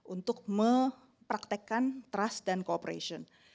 untuk mempraktekkan trust dan cooperation